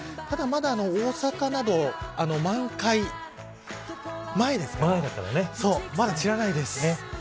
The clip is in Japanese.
ただ、まだ大阪など満開前ですからまだ散らないです。